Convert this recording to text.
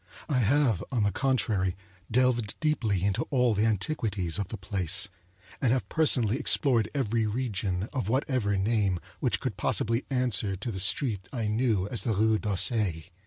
I have, on the contrary, delved deeply into all the antiquities of the place, and have personally explored every region, of whatever name, which could possibly answer to the street I knew as the Rue d'Auseil.